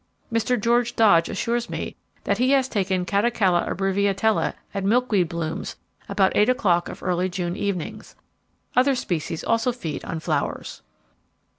Mr. George Dodge assures me that he has taken Catocala abbreviatella at milk weed blooms about eight o'clock of early July evenings. Other species also feed on flowers."